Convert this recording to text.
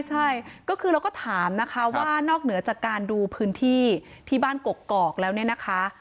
ใช่ก็คือเราก็ถามนะคะว่านอกเหนือจากการดูพื้นที่ที่บ้านกกอกแล้วเนี่ยนะคะ